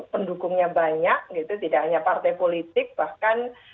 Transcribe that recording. pendukungnya banyak gitu tidak hanya partai politik bahkan